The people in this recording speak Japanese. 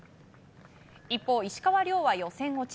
一方、石川遼は予選落ち。